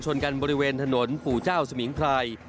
กันบริเวณถนนปู่เจ้าสมิงพราย